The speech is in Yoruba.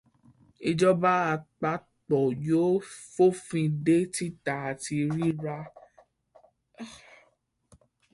Ìjọba àpapọ̀ yóò fòfin de títà àti rírà ọtí inú ọ̀rá.